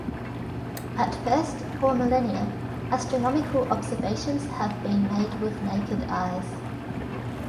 At first, for millennia, astronomical observations have been made with naked eyes.